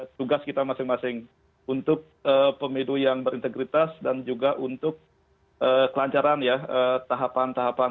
tugas kita masing masing untuk pemilu yang berintegritas dan juga untuk kelancaran ya tahapan tahapan